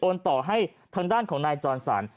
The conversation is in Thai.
โอนต่อให้ทางด้านของนายจ้อนสัน